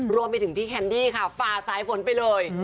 รวมไปถึงพี่แคนดี้ค่ะฝ่าสายฝนไปเลย